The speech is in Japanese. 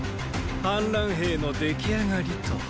反乱兵のでき上がりと。